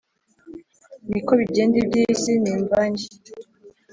ni ko bigenda iby'iyi si ni imvange